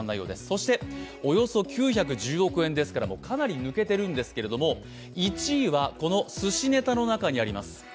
そして、およそ９１０億円ですから、かなり抜けているんですが、１位は、寿司ネタの中にあります。